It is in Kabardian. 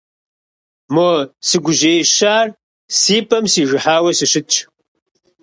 Мо сыгужьеищар си пӀэм сижыхьауэ сыщытщ.